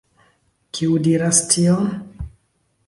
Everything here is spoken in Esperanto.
Kiu diras tion?